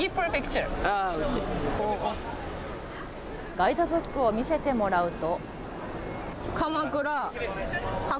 ガイドブックを見せてもらうと。